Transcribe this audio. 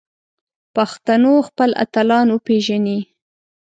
پښتنو خپل اتلان وپیژني